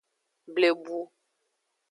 Blebu.